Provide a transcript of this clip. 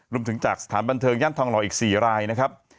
จากสถานบันเทิงย่านทองหล่ออีก๔รายนะครับ